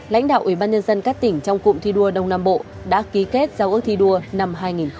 lãnh đạo ủy ban nhân dân các tỉnh trong cụm thi đua đông nam bộ đã ký kết giao ước thi đua năm hai nghìn một mươi chín